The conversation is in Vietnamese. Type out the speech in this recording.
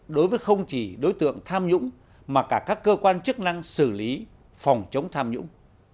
đối với không chỉ đối tượng tham nhũng mà cả các cơ quan chức năng xử lý phòng chống tham nhũng